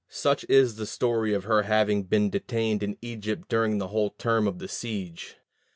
Such is the story of her having been detained in Egypt during the whole term of the siege.